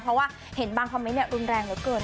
เพราะว่าเห็นบางคอมเมนต์รุนแรงเหลือเกิน